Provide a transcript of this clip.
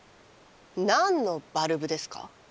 何のバルブですか？